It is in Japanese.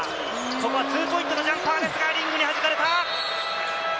ここはツーポイントのジャンプですが、リングに弾かれた。